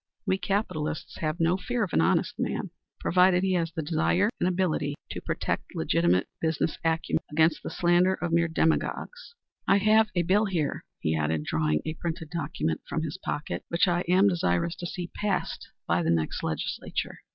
We capitalists have no fear of an honest man, provided he has the desire and the ability to protect legitimate business acumen against the slander of mere demagogues. I have a bill here," he added, drawing a printed document from his pocket, "which I am desirous to see passed by the next legislature.